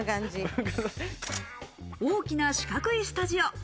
大きな四角いスタジオ。